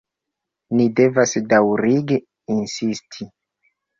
Ni devas daŭrigi insisti.